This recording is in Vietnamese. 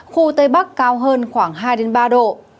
khu tây bắc cao hơn khoảng hai ba độ